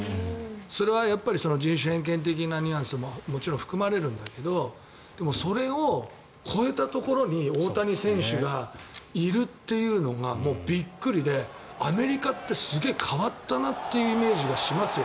それは人種偏見的なニュアンスももちろん含まれるんだけどでも、それを超えたところに大谷選手がいるというのがもうびっくりでアメリカってすごい変わったなというイメージがしますよ。